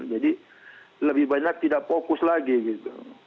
lebih banyak tidak fokus lagi gitu